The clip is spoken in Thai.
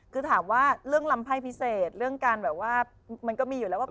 คือถามว่าเรื่องลำไพ่พิเศษเรื่องการแบบว่ามันก็มีอยู่แล้วว่า